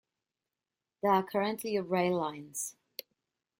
There are currently rail lines.